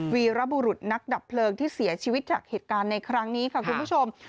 วีรบุรุษนักดับเพลิงที่เสียชีวิตจากเหตุการณ์ในครั้งนี้ค่ะคุณผู้ชม